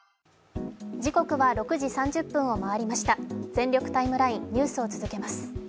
「全力タイムライン」ニュースを続けます。